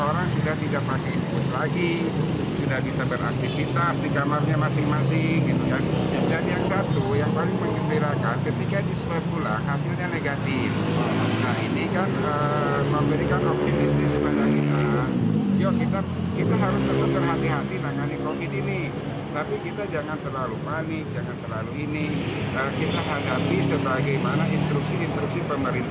orang nomor satu di tasik malaya ini tampak antusias saat komunikasi dengan seorang pasien positif corona yang dinyatakan sembuh